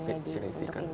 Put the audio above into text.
gak terlalu signifikan